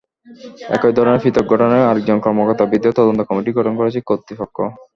একই ধরনের পৃথক ঘটনায় আরেকজন কর্মকর্তার বিরুদ্ধে তদন্ত কমিটি গঠন করেছে কর্তৃপক্ষ।